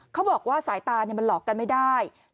เขาบอกว่าสายตามันหลอกกันไม่ได้